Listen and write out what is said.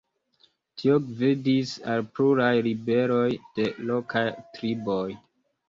Tio gvidis al pluraj ribeloj de lokaj triboj.